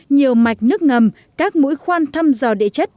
nhiều mạch nước ngầm các mũi khoan thăm dò địa chất